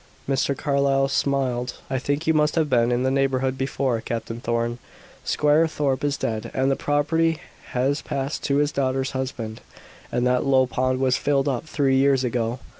Mr. Carlyle smiled. "I think you must have been in the neighborhood before, Captain Thorn. Squire Thorpe is dead and the property has passed to his daughter's husband, and that Low Pond was filled up three years ago."